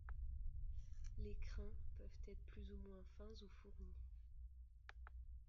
Les crins peuvent être plus ou moins fins ou fournis.